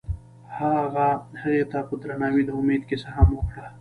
هغه هغې ته په درناوي د امید کیسه هم وکړه.